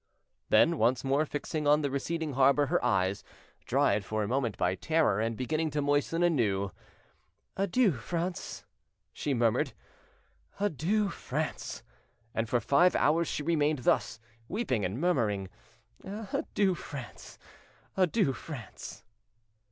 Then, once more fixing on the receding harbour her eyes, dried for a moment by terror, and beginning to moisten anew, "Adieu, France!" she murmured, "adieu, France!" and for five hours she remained thus, weeping and murmuring, "Adieu, France! adieu, France!"